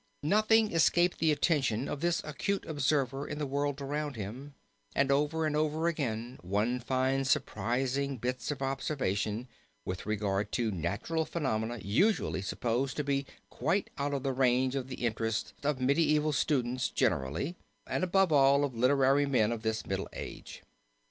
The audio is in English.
Nothing escaped the attention of this acute observer in the world around him, and over and over again one finds surprising bits of observation with regard to natural phenomena usually supposed to be quite out of the range of the interest of medieval students generally, and above all of literary men of this Middle Age.